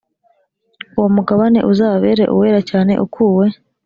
Uwo mugabane uzababere uwera cyane ukuwe